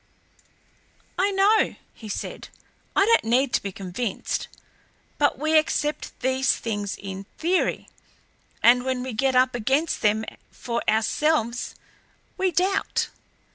"I know," he said. "I don't need to be convinced. But we accept these things in theory and when we get up against them for ourselves we doubt.